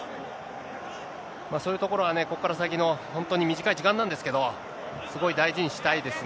そういうところはね、ここから先の、本当に短い時間なんですけど、すごい大事にしたいですね。